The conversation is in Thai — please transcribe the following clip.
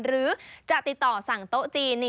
หรือจะติดต่อสั่งโต๊ะจีน